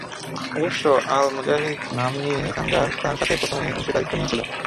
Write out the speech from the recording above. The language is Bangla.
অবশ্য আল মুজাহিদ নাম নিয়ে সানজার তার সাথে প্রথমে অংশীদারিত্ব নিয়েছিল।